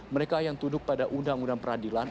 mereka yang tunduk pada undang undang peradilan